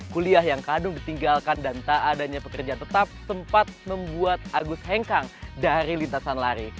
kuliah yang kadung ditinggalkan dan tak adanya pekerjaan tetap tempat membuat agus hengkang dari lintasan lari